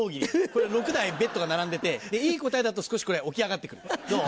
これ６台ベッドが並んでていい答えだと少し起き上がってくるどう？